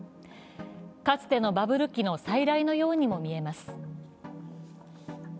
かつてのバブル期の再来のようにも見えます。